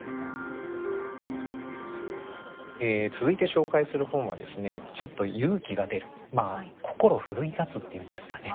続いて紹介する本はですねちょっと勇気が出るまあ心奮い立つっていうんですかね